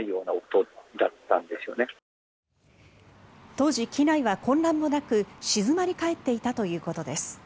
当時、機内は混乱もなく静まり返っていたということです。